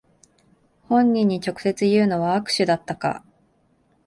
本人に直接言うのは悪手だったか